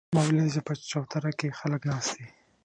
ما ولیدل چې په چوتره کې خلک ناست دي